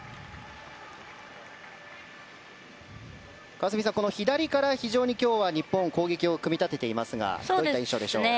川澄さん、左から今日は日本、攻撃を組み立てていますがどういった印象でしょうか。